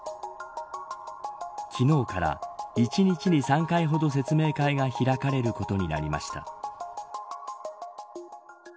昨日から、１日に３回ほど説明会が開かれることになりました。